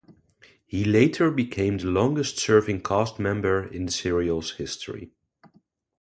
He later became the longest serving cast member in the serial's history.